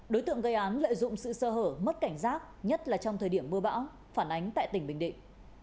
đối tượng gây án lợi dụng sự sơ hở mất cảnh giác nhất là trong thời điểm mưa bão phản ánh tại tỉnh bình định